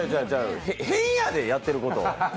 変やで、やってること。